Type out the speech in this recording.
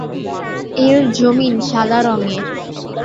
এর জমিন সাদা রঙের।